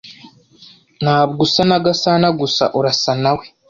Ntabwo usa na Gasanagusa, urasa na we.